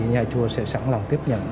nhà chùa sẽ sẵn lòng tiếp nhận